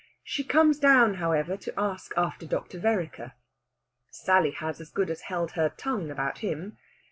She comes down, however, to ask after Dr. Vereker. Sally has as good as held her tongue about him.